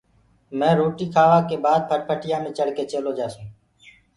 مي روٽيٚ کآوآ ڪي بآد ڦٽَڦٽِيآ مي چڙه ڪي چيلو جآسونٚ